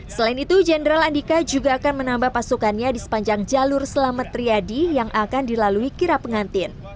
selain itu jenderal andika juga akan menambah pasukannya di sepanjang jalur selamat triadi yang akan dilalui kira pengantin